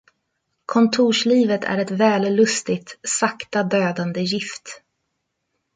Kontorslivet är ett vällustigt, sakta dödande gift.